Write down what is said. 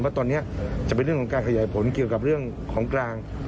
ว่าตอนนี้จะเป็นเรื่องของการขยายผลเกี่ยวกับเรื่องของกลาง